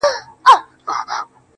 ته چي قدمونو كي چابكه سې~